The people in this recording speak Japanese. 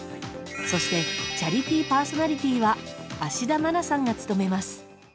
そしてチャリティーパーソナリティーは芦田愛菜さんが務めます。